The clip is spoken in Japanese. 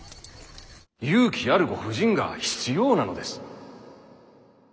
勇気あるご婦人が必要なのです。